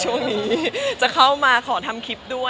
ช่วงนี้จะเข้ามาขอทำคลิปด้วย